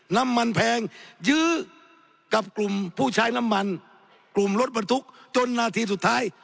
น้ำมันแพงยื้อกับกลุ่มผู้ใช้น้ำมันกลุ่มรถบรรทุกจนนาทีสุดท้าย